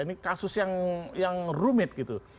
ini kasus yang rumit gitu